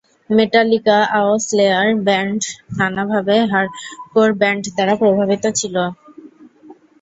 Metallica ও Slayer band নানাভাবে hardcore band দ্বারা প্রভাবিত ছিল।